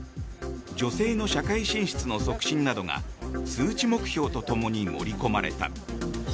女性の社会進出の促進などが数値目標とともに盛り込まれた。